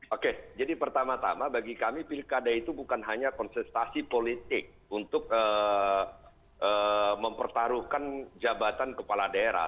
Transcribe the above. oke jadi pertama tama bagi kami pilkada itu bukan hanya konsultasi politik untuk mempertaruhkan jabatan kepala daerah